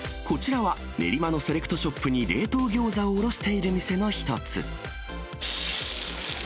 こちらは、練馬のセレクトショップに冷凍ギョーザを卸している店の一つ。